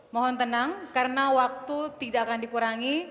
mohon tenang karena waktu tidak akan dikurangi